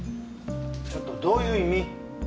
ちょっとどういう意味？